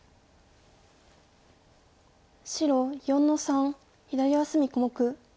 白４の三左上隅小目。